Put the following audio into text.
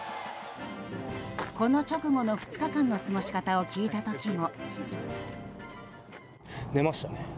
この直後の２日間の過ごし方を聞いた時も。